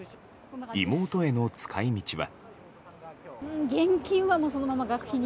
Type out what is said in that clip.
妹への使い道は。